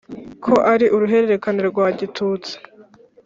ko ari uruhererekane rwa gitutsi